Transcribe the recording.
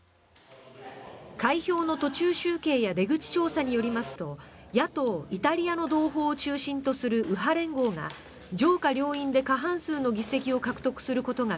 開票の途中集計や出口調査によりますと野党イタリアの同胞を中心とする右派連合が上下両院で過半数の議席を獲得することが